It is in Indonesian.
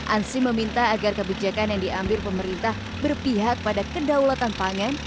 ansi meminta agar kebijakan yang diambil pemerintah berpihak pada kedaulatan pangan